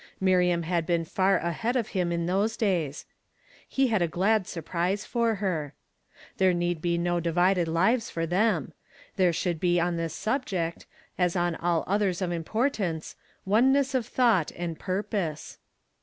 Miriam had been far ahead of him in those days; he had a glad surprise for her. There need be no divided lives for them. There should be on this subject, as on all others of importance, oneness of thought and purpose.